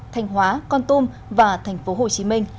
thanh hóa con tum và tp hcm